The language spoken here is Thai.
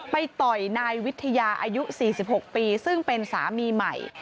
ต่อยนายวิทยาอายุ๔๖ปีซึ่งเป็นสามีใหม่